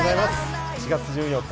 ４月１４日